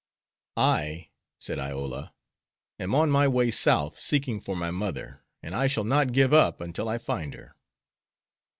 "I," said Iola, "am on my way South seeking for my mother, and I shall not give up until I find her."